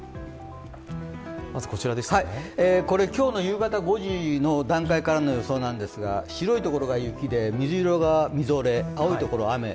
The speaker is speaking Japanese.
今日の夕方５時の段階からの予想なんですが、白いところが雪で水色がみぞれ、青いところが雨。